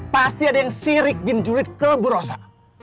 pasti ada yang sirik bin julid ke bu rosa